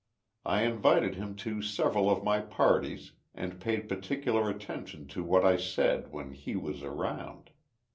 I invited him to several of my parties and paid particular attention to what I said when he was around.